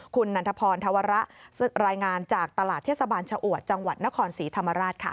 คุณนันทพรธวระรายงานจากตลาดเทศบาลชะอวดจังหวัดนครศรีธรรมราชค่ะ